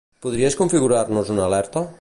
Podries configurar-nos una alerta?